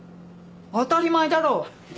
当たり前だろ。